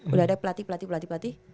sudah ada pelatih pelatih pelatih